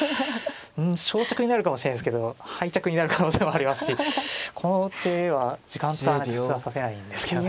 うん勝着になるかもしれないですけど敗着になる可能性もありますしこの手は時間使わないと普通は指せないんですけどね。